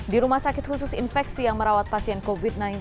di rumah sakit khusus infeksi yang merawat pasien covid sembilan belas